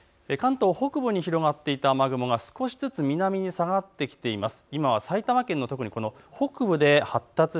関東北部に広がっていた雨雲が少しずつ南に下がってきています。